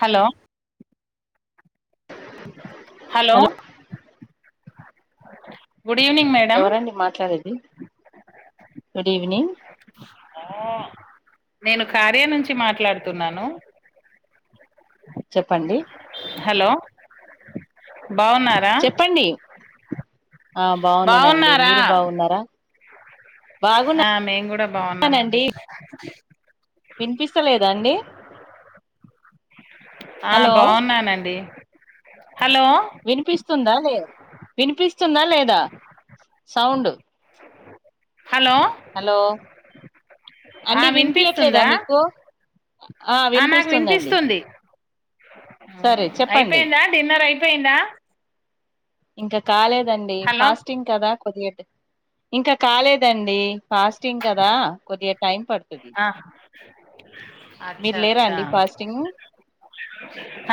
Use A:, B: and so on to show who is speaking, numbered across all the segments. A: Hello
B: hello
A: అ
B: ఎవరండి మాట్లాడేది? గుడ్ ఈవెనింగ్
A: నేను కార్య నుంచి మాట్లాడుతున్నాను
B: చెప్పండి
A: హలో, బాగున్నారా?
B: చెప్పండి ఆ బాగున్నానండి.
A: బాగున్నారా
B: మీరు బాగున్నారా?
A: ఆ మేం కూడా బాగున్నామండి.
B: బాగున్నానండి వినిపిస్తలేదా అండి?
A: ఆ
B: హలో
A: బాగున్నానండి. హలో
B: వినిపిస్తుందా లే, వినిపిస్తుందా లేదా సౌండ్?
A: హలో
B: హలో
A: ఆ
B: అండి వినిపియట్లేదా
A: వినిపిస్తుందా
B: మీకు? ఆ
A: నాకు
B: వినిపిస్తుందండి.
A: వినిపిస్తుంది
B: సరే చెప్పండి
A: అయిపోయిందా, డిన్నర్ అయిపోయిందా?
B: ఇంక కాలేదండి
A: హలో
B: ఫాస్టింగ్ కదా కొద్దిగ ట్ ఇంక కాలేదండి, ఫాస్టింగ్ కదా. కొద్దిగా టైం పడుతది.
A: ఆ
B: మీరు
A: అచ్చా
B: లేరా
A: అచ్చా
B: అండి ఫాస్టింగ్?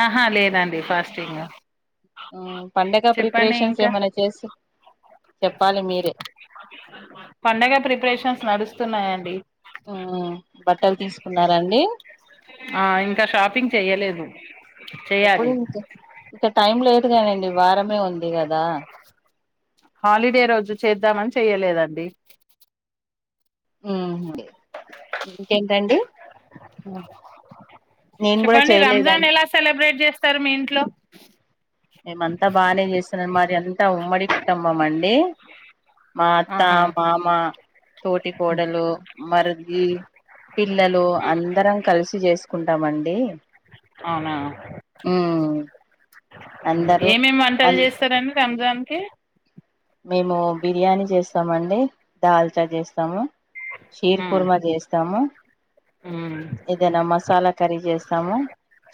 A: ఆహా లేదండి ఫాస్టింగ్.
B: ఉ పండగ
A: చెప్పండి
B: ప్రిపరేషన్స్
A: ఇంకా
B: ఏమైన్న చేస్
A: పండగ ప్రిపరేషన్స్ నడుస్తున్నాయండి.
B: మ్మ్ బట్టలు తీసుకున్నారండి
A: ఆ ఇంక షాపింగ్ చెయ్యలేదు. చెయ్యాలి
B: ఇంక టైం లేట్ కదండి. వారమే ఉంది కదా.
A: హాలిడే రోజు చేద్దామని చెయలేదండి.
B: ఉహు డి ఇంకేంటండి నేను కూడా
A: చెప్పండి రంజాన్
B: చేయలేదండి
A: ఎలా సెలబ్రేట్ చేస్ స్తారు మీ ఇంట్లో
B: మేమంత బానే చేస్తున్నాం. మాది అంత ఉమ్మడి కుటుంబం అండి. మా అత్త,
A: ఆహా
B: మామ, తోటి కోడలు, మరిది పిల్లలు అందరం కలిసి చేసుకుంటమండి.
A: అవునా
B: ఆ
A: ఏమేమ్ వంటలు చేస్తరండి రంజాన్ కి?
B: మేము బిర్యానీ చేస్తామండి, దాల్చా చేస్తాము. షేర్
A: ఉమ్
B: కుర్మ చేస్తాము
A: ఉమ్
B: ఏదైన మసాలా కర్రీ చేస్తాము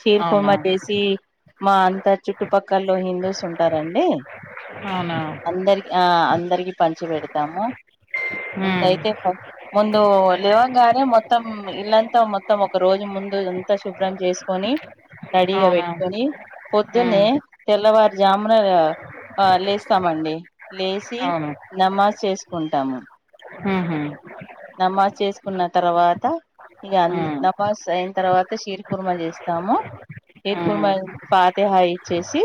B: చీర పర్మ
A: అవునా
B: చేసి మా అంత చుట్టుపక్కల్లో హిందూస్ ఉంటారండి.
A: అవునా
B: అందరి ఆ అందరికి పంచి పెడతాము.
A: ఉమ్
B: ముందయితే ము ముందు లేవంగానే మొత్తం ఇల్ళ్లంతా మొత్తం ఒక రోజు ము ముందు రోజంతా శుభ్రం చేసుకొని, రెడీగా
A: అవునా
B: పెట్టుకొని
A: ఉమ్
B: పొద్దునే తెల్లవారుజామున ఆ ఆ లేస్తామండి. లేసి,
A: అవును
B: నమాజ్ చేసుకుంటాము.
A: ఉహు
B: నమాజ్ చేసుకున్న తర్వాత ఇగ అన్
A: ఉమ్
B: నవాజ్ అయిన తర్వాత, షేర్ కుర్మ చేస్తాము. షేర్ కూర్మ
A: ఉమ్
B: పాతే హాయి చేసి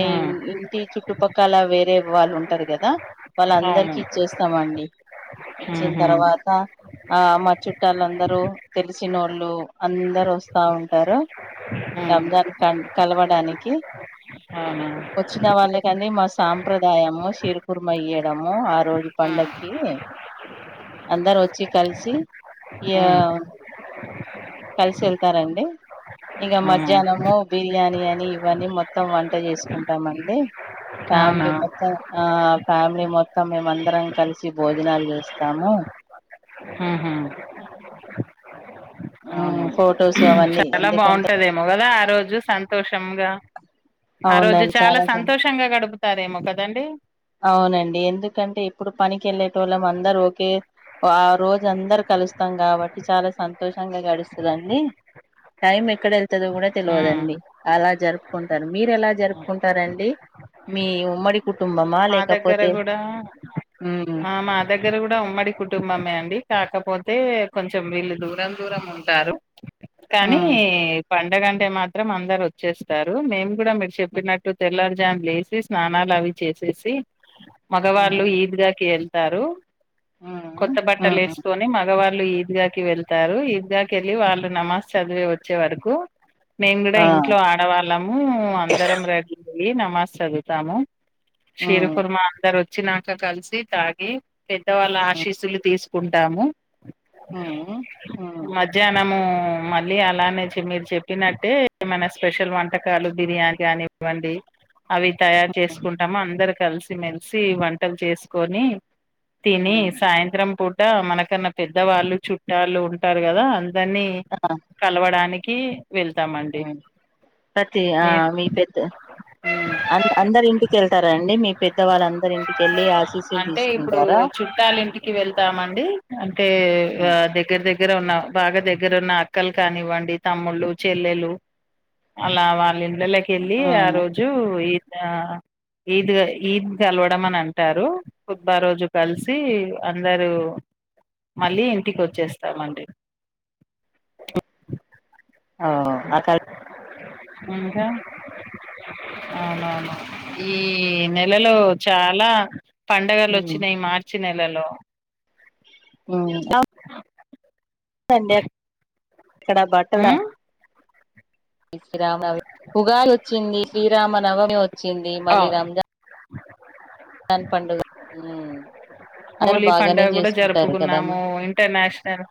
B: ఇ
A: ఉమ్
B: ఇంటి చు చుట్టుపక్కల వేరే వాళ్ళు ఉంటారు కదా వాళ్ళ
A: అవును
B: అందరికి ఇచ్చేస్తామండి ఇచ్చి
A: ఉహు
B: తరవాత ఆ మా చుట్టాలందరూ తెలిసినోళ్ళు అందరు వస్తా ఉంటారు
A: ఉమ్
B: రంజాన్ క కలవడానికి
A: అవునా
B: వచ్చిన వాళ్ళకని మా సాంప్రదాయము షిరు కుర్మా ఇయ్యడం ఆ రోజు
A: ఉమ్
B: పండక్కి అందరు వచ్చి కలిసి
A: ఉమ్
B: కలిసి ఎళ్తారండి ఇంగ
A: అవునా
B: మధ్యానము బిర్యాని అని ఇవన్నీ మొత్తం వంట చేసుకుంటామండి
A: అవునా
B: ఫ్యామిలీ మొత్తం ఆ ఫ్యామిలీ మొత్తం మేమ అందరం కలిసి భోజనాలు చేస్ తము
A: ఉహు అవును
B: ఫోటోస్
A: చాలా బాగుంటదేమో కదా ఆ రో [unintelligible] సంతోషంగా ఆ రోజు
B: అవునండి
A: చాలా
B: సం
A: సంతోషంగా గడుపుతారేమో కదండి
B: అవునండి ఎందుకంటే ఇప్పుడు పనికి వెళ్ళేటోళ్ళం అందర ఒకే ఆ రోజు అందరు కలుస్తాం కాబట్టి చాలా సంతోషంగా గడుస్తదండి టైం ఎక్కడ వెళ్తుందో కూడ
A: ఉమ్
B: తెలియదుండి అలా జరుపుకుంటారు మీరు ఎలా జరుపుకుంటారండి మీ ఉమ్మడి కుటుం
A: మా దగ్గర కూడ
B: ఉమ్
A: ఆ మా దగ్గర కు ఉమ్మడి కుటుంబమే అండి కాకపోతే కొంచెం వీళ్ళు దూరం దూరం ఉంటారు కానీ
B: ఉమ్
A: పండగంటే మాత్రం అందరు వచ్చేస్తారు మేము కూడ మీరు చెప్పినట్టు తెల్లారుజామ్ లేసి స్నాలు అవి వచ్చేసి మగవాళ్లు
B: ఉమ్
A: ఈద్గాకి వెళ్తారు
B: ఉమ్
A: కొత్త
B: ఉమ్
A: బట్టలేసుకొని మగవారు వాళ్ళు ఈద్గాకి వెళ్తారు ఈద్గాకి వెళ్ళలి వాళ్ళు నమాజ్ చదివి వచ్చే వరకు మేము కూడ
B: ఆ
A: ఇంట్లో ఆడవాళ్ళము అందరం రెడీ అయ్యి నమాజ్ చదువుతాము షిర్ కుర్మ
B: ఉమ్
A: అందరు వచ్చినాక కలిసి తాగి పెద్దవాళ్ళ ఆశీస్సులు తీసు కుంటాము
B: ఉమ్ ఉమ్
A: మధ్యానము మళ్ళీ అలానే మీరు చెప్పినట్టే ఏమైనా స్పెషల్ వంటకాలు బిర్యానీ అని ఇవ్వండి అవి తయారు చేసుకుంటాము అందరు కలిసి మెలిసి వంటలు చేసుకొని తిని
B: ఉమ్
A: సాయంత్రం పూట మనకన్నా పెద్దవాళ్ళు చుట్టలు ఉంటారు కదా దాన్ని
B: ఆ
A: కలవడానికి వెళ్తామండి
B: ఉమ్ ప్రతి ఆ
A: మేము
B: మీ పెద్ద అందరు ఇంటికి వెళ్తారాండి [unintelligible] మీ పెద్దవాళ్ళందరి ఇంటికెళ్ళి ఆశీసులు
A: అంటే ఇప్పుడు
B: తీసుకుంటార
A: చుట్టాల ఇంటికి వెళ్తామండి అంటే ఆ దెగ్ దగ్గర ఉన్న బాగ దగ్గర ఉన్న అక్కలు కానివ్వండి తమ్ముళ్ళలు చెల్లెలు అలా వాళ్ళి ఇండ్లలేకి వెళ్ళి ఆ
B: ఉమ్
A: రోజు ఇ ఈద్ ఈద్ కలవడం అని అంటారు [unintelligible] రోజు కలిసి అందరూ మళ్ళీ ఇంటికి వచ్చేస్తామండి
B: [unintelligible]
A: ఇంకా అవునవును ఈ నెలలో చాల పండగలు వచ్చినాయి మార్చి నె లలో
B: ఉ ఎక్కడ బట్ట [unintelligible]
A: ఉమ్,
B: [unintelligible] ఉగాది వచ్చింది శ్రీరామనవమి వచ్చింది మళ్ళీ
A: అవును
B: రంజా [unintelligible]
A: హోలీ
B: బాగానే
A: పండగ కూడ
B: చేసుకుంటారు కదమ్మా
A: జరుపుకున్నాము ఇంటర్నేషనల్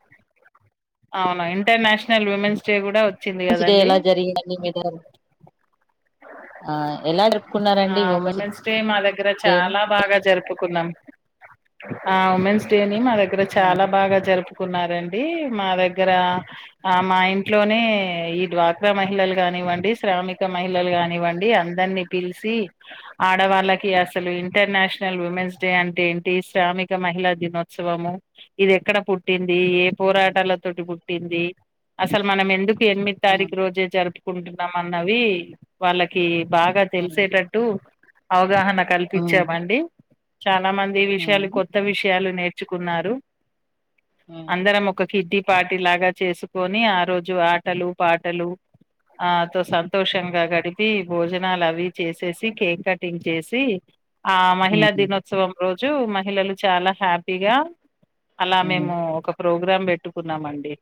A: అవునా ఇంటర్నేషనల్ విమెన్స్ డే కూడా వచ్చింది
B: జరి
A: కదండి
B: ఎలా [unintelligible]
A: ఆ ఉమెన్స్ డే మా దగ్గర
B: డే ని
A: చాలా బాగా జరుపుకున్నాం ఆ ఉమెన్స్ డేని మా దగ్గర చాలా
B: ఉమ్
A: బాగా జరుపు కున్నారండి మా దగ్గర ఆ మా ఇంట్లోనే ఈ డ్వాక్రా మహిళలు గాని వ్వండి శ్రామిక మహిళలు కానివ్వండి అందరినీ పిలిచి ఆడవాళ్ళకి అసలు ఇంటర్నేషనల్ ఉమెన్స్ డే అంటే ఏంటి శ్రామిక మహిళ దినోత్సవము ఇది ఎక్కడ పు పుట్టింది ఏ
B: ఉమ్
A: పోరాటాల తోటి పుట్టింది అసలు మనం ఎందుకు ఎనిమిది
B: ఉమ్
A: తారీఖు రోజే జరుపు కుంటున్నాం అన్నవి వాళ్ళకి బాగా తెలిసేటట్టు అవగాహన
B: ఉమ్
A: కల్పించామండి చాలా మంది ఈ విషయాలు
B: ఆహా
A: కొత్త విషయాలు నేర్ కున్నారు అందరం ఒక కిడ్డి పార్టి లాగా చేసుకొని ఆ రోజు ఆటలు పాటలు ఆ తో సంతోషంగా గడిపి భోజనాలు అవి చేసేసి కేక్ కటింగ్ చేసి ఆ మహిళా దినోత్సవం రోజు మహిళలు చాలా హ్యాపీగా అలా మేము ఒక ప్రోగ్రామ్ పెట్టుకున్నామండి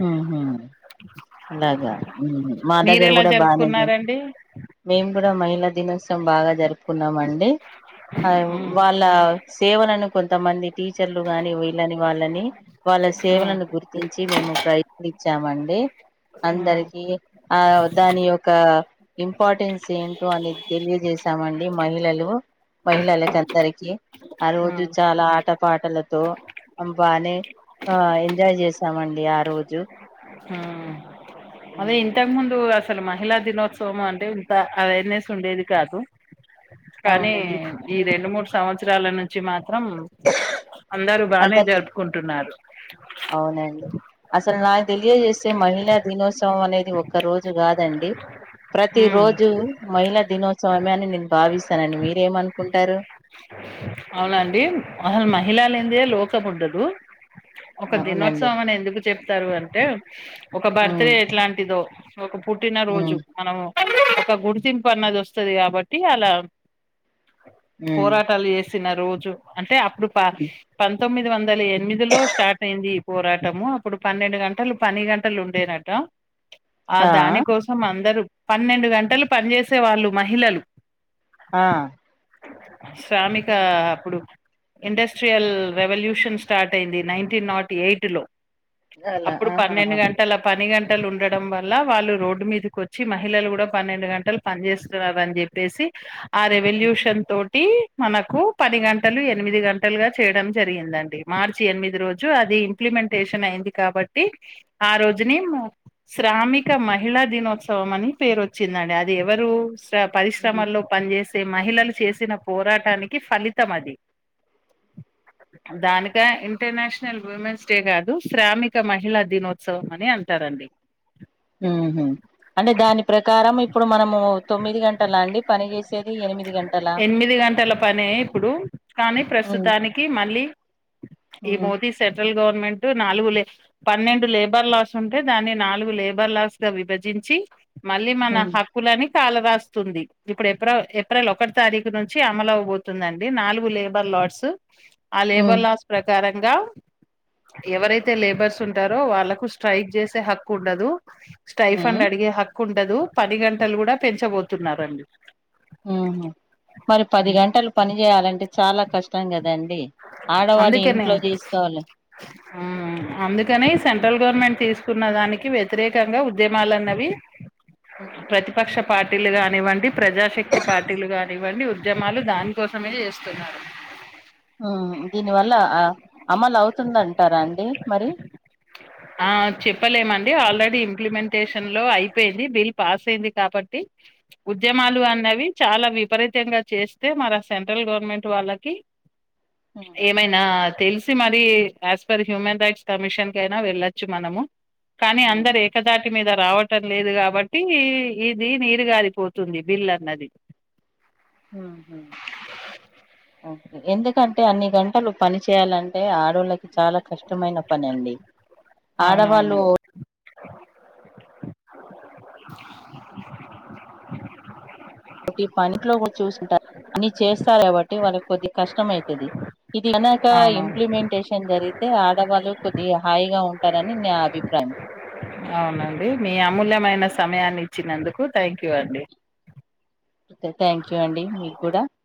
B: హూ హుమ్ అలాగా మా దగ్గర
A: మీరెలా
B: కూడా బానే
A: జరుపుకున్నారండి
B: మేం కూడా మహిళా దినోత్సవం బాగా జరుపుకున్నామండి ఆ
A: హ్మ్.
B: వాళ్ళ సేవలను కొంతమంది టీచర్లు గాని వీళ్ళని వాళ్ళని వాళ్ళ
A: హ్మ్.
B: సేవలను గుర్తించి మేము ఇచ్చామండి
A: హ్మ్.
B: అందరికి ఆ దాని యొక్క ఇంపార్టెన్స్ ఏంటో అనేది తెలియజసామండి మహిళలు మహళలకందరికి ఆ రోజు
A: హ్మ్.
B: చాలా ఆట పాటలతో బానే ఆ ఎంజాయ్ చేసామండి ఆ రోజు
A: అవే ఇంతకు ముందు అసలు మహిళా దినోత్సవం అంటే ఇంత అవేర్నెస్ ఉండేది కాదు కానీ
B: అవునండి
A: ఈ రెండు మూడు సంవత్సరాల నుంచి మాత్రం అందరు బానే
B: అందరి
A: జరుపుకుంటున్నారు
B: అవునండి అసలు నాకు తెలియజేసే మహిళా దినోత్సవం అనేది ఒక్క రోజు కాదండి ప్రతి
A: ఉమ్
B: రోజు మహిళా దినోత్సవమే అని నేను భావిస్తానండి మీరేమనుకుంటారు
A: అవునా అండి అసలు మహిళా లేనిదే లోకం ఉండదు ఒక
B: అవునండి
A: దినోత్సవం అని ఎందుకు చెప్తారు అంటే ఒక బర్త్
B: ఉమ్
A: డే ఎట్లాంటిదో ఒక పుట్టిన
B: ఉమ్
A: రోజు మనము ఒక గుడితింపున్నది వస్తది కాబట్టి అలా
B: ఉమ్
A: పోరాటాలు చేసి న రోజు అంటే అప్పుడు పంతొమ్మిది వందల ఎనిమిది లో స్టార్ట్ అయింది పోరాటము అప్పుడు పన్నెండు గంటలు పని గంటలు ఉండేనట ఆ దానికోసం అందరూ పన్నెండు గంటలు పనిచేసేవాళ్లు మహిళలు
B: ఆ
A: శ్రామిక
B: ఉమ్,
A: అప్పుడు ఇండస్ట్రియల్ రెవల్యూషన్ స్టార్ట్ అయింది నైన్టీన్ నాట్ ఎయిట్ లో
B: అలా
A: అప్పుడు
B: ఆహా
A: పన్నెండు గంటల పని గంట గంటలు ఉండడం వల్ల వాళ్ళు రోడ్డు మీదకు వచ్చి మహిళలు కూడా పన్నెండు గంటలు పని చేేస్తున్నారు అని చెప్పేసి ఆ రెవల్యూషన్ తోటి మనకు కు పది గంటలు ఎనిమిది గంటలుగా చేయడం జరిగిందండి మార్చి ఎనిమిది రోజు అది ఇంప్లిమెంటేషన్ అయింది కాబట్టి ఆ రోజుని శ్రామిక మహిళా దినోత్సవం అని పేరు వచ్చిందండి అది ఎవరు పరిశ్రమల్లో పనిచేసే మహిళలు చేసిన పోరాటానికి కి ఫలితం అది దానికా ఇంటర్నేషనల్ ఉమెన్స్ డే కాదు శ్రామిక మహిళా దినోత్సవం అని అంటారు రండి
B: డం ఇప్పుడు మనము తొమ్మిది గంటలా అండి పని చేేసేది ఎనిమిది గంటలా
A: ఎనిమిది గంటల పనే కానీ
B: ఉమ్
A: ప్రస్తుతానికి మళ్ళీ ఈ
B: ఉమ్
A: మోదీ సెంట్రల్ గవర్ ర్నమెంట్ నాలుగు లే పన్నెండు లేబర్ లాస్ ఉంటే దాని నాలుగు లేబర్ లాస్ గా విభజించీ మళ్ళీ మన
B: ఉమ్
A: హక్కులని కాల రాస్తుంది ఇప్పుడు ఎపో ఏప్రిల్ ఒకటి తారీఖు నుంచి అమలవబోతుందండి నాలుగు లేబర్ ఆ లేబర్
B: ఉమ్
A: లాస్ ప్రకరం గా ఎవరైతే లేబర్స్ ఉంటారో వాళ్ళకు స్ట్రైక్ చేసే హక్కు ఉండదు స్టైఫండ్
B: ఉమ్
A: అడిగే హక్కు ఉండదు పని గంటలు కూడా పెంచబోతున్నారండి
B: ఉహ్మ్ మరి పది గంటలు పని చేయాలంటే చాలా కష్టం కదా
A: అందుకని
B: చేసుకోవాలి
A: అందుకని సెంట్రల్ గవర్నమెంట్ తీసుకున్న దానికి వ్యతిరేకంగా ఉద్యమలున్నవి
B: ఉమ్
A: ప్రతిపక్ష పార్టీలు కానివ్వండి ప్రజాశక్తి పార్టీలు కానివ్వండి ఉద్యమాలు దానికోసమే చేస్తున్నారు
B: ఆ దీనివల్ల అమలు అవుతుందంటారా అండి మరి
A: ఆ చెప్పలేమండి ఆల్రెడీ ఇంప్లిమెంటేషన్ లో అయిపోయింది బిల్ పాస్ అయింది కాబట్టి ఉద్యమాలు అన్నవి చ లా విపరీతంగా చేస్తే మన సెంట్రల్ గవర్నమెంట్ వాళ్ళకి ఏమైనా తెలు సి మరి as per human rights commission కయినా వెళ్ళొచ్చు మనము కానీ అందరు ఏకదాటి మీద రావటం లేదు కాబట్టి ఇది నీరుగారిపోతుంది బిల్ అన్నది
B: ఆహా
A: అ
B: ఓకే ఎందుకంటే అన్ని గంటలు పని చేయాలంటే ఆడోళ్ళకి చాలా కష్టమైన పని అండి
A: అవునవును
B: ఆడవాళ్ళు ఒకటి పనిట్లో కూడా చూంట అని చేస్తారు కాబట్టి వారికి కొద్దిగ కష్టమయితది ఇది గనక
A: అవునవును
B: ఇంప్లిమెంటేషన్ జరిగి తే ఆడవాళ్ళు కొద్దిగా హాయిగా ఉంటారని నా అభిప్రాయం
A: అవునండి మీ అమూల్యమైన సమయాన్ని ఇచ్చినందుకు థ్యాంక్ యూ అండి
B: ఒకే థ్యాంక్ యూ అండి మీకు కూడా